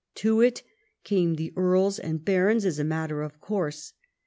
To it came the earls and barons as a matter of course.